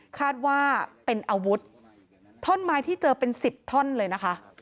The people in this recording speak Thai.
คาดว่าเป็นอาวุธท่อนไม้ที่เจอเป็นสิบท่อนเลยนะคะ